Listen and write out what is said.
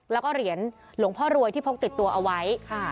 แล้วก็เหรียญหลวงพ่อรวยที่พกติดตัวเอาไว้